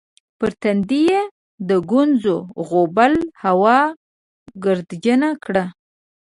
پر تندي یې د ګونځو غوبل هوا ګردجنه کړه